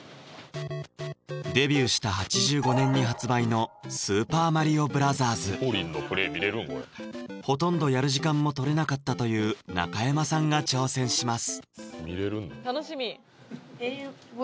デビューした８５年に発売の「スーパーマリオブラザーズ」ほとんどやる時間も取れなかったという中山さんが挑戦します見れるんだ楽しみ